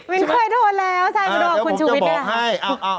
มินค่อยโดนแล้วใช่แต่ด่วงมันคุณชูวิตไหมครับ